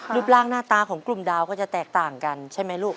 รูปร่างหน้าตาของกลุ่มดาวก็จะแตกต่างกันใช่ไหมลูก